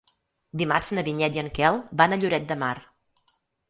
Dimarts na Vinyet i en Quel van a Lloret de Mar.